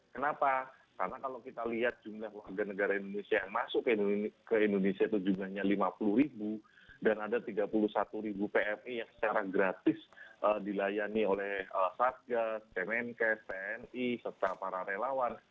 kenapa karena kalau kita lihat jumlah warga negara indonesia yang masuk ke indonesia itu jumlahnya lima puluh ribu dan ada tiga puluh satu ribu pmi yang secara gratis dilayani oleh satgas kemenkes tni serta para relawan